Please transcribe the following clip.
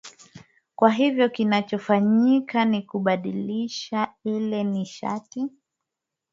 kwa hivyo kinachofanyika ni kubadilisha ile nishati